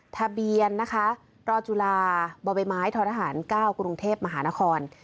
ทะเบียนนะคะตรจุฬาบไม้ทศ๙กุรุงเทพฯมหานคร